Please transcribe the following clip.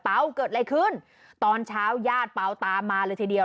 เปาเกิดอะไรขึ้นตอนเช้าย่าดเปาตามมาเลยทีเดียว